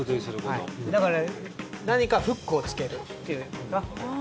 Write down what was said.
だから、何かフックをつけるというのかな。